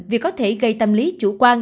vì có thể gây tâm lý chủ quan